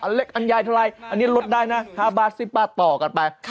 อันยายเท่าไรอันนี้ลดได้นะ๕บาท๑๐บาทต่อกันไป